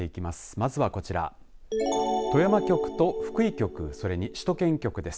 まずはこちら富山局と福井局それに首都圏局です。